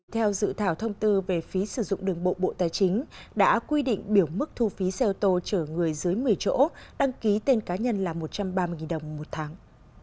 theo dự thảo thông tư về phí sử dụng đường bộ bộ tài chính đã quy định biểu mức thu phí xe ô tô chở người dưới một mươi chỗ đăng ký tên cá nhân là một trăm ba mươi đồng một tháng